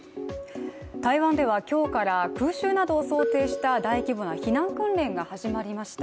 台湾では今日から空襲などを想定した大規模な避難訓練が始まりました。